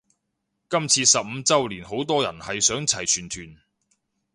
今次十五周年好多人係想齊全團